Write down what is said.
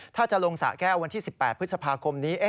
ถ้าจะลงสะแก้ววันที่๑๘พฤษภาคมนี้